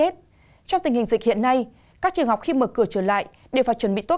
trong tình hình dịch hiện nay các trường học khi mở cửa trở lại đều phải chuẩn bị tốt